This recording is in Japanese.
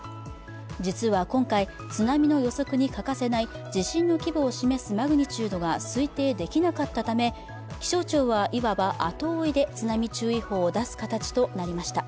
実は今回、津波の予測に欠かせない地震の規模を示すマグニチュードが推定できなかったたため、気象庁はいわば後追いで津波注意報を出す形となりました。